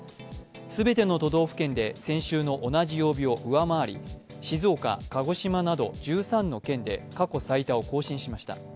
全ての都道府県で先週の同じ曜日を上回り、静岡、鹿児島など１３の県で過去最多を更新しました。